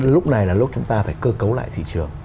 lúc này là lúc chúng ta phải cơ cấu lại thị trường